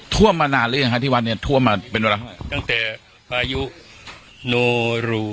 ท่วมมานานหรือยังฮะที่วัดเนี่ยท่วมมาเป็นเวลาเท่าไหร่ตั้งแต่พายุโนรู